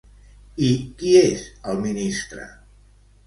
I qui és el ministre?